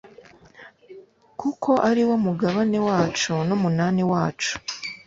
kuko ari wo mugabane wacu n’umunani wacu!